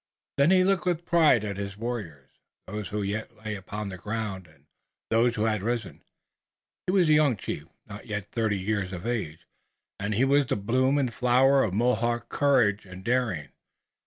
Then he looked with pride at his warriors, those who yet lay upon the ground and those who had arisen. He was a young chief, not yet thirty years of age, and he was the bloom and flower of Mohawk courage and daring.